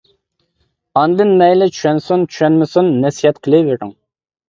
ئاندىن مەيلى چۈشەنسۇن، چۈشەنمىسۇن، نەسىھەت قىلىۋېرىڭ.